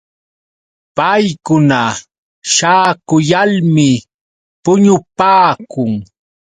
Paykuna śhaakuyalmi puñupaakun.